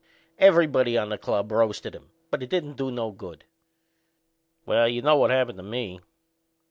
Everybody on the club roasted him, but it didn't do no good. Well, you know what happened to me.